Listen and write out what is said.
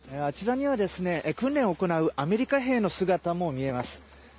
あちらには訓練を行うアメリカ兵の姿も見えます。